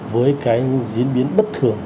với cái diễn biến bất thường